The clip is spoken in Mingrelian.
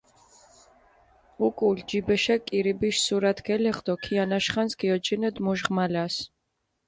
უკულ ჯიბეშე კირიბიშ სურათი გელეღჷ დო ქიანაშ ხანს გიოჯინედჷ მუშ ღმალას.